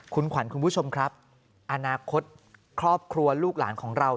คุณขวัญคุณผู้ชมครับอนาคตครอบครัวลูกหลานของเรา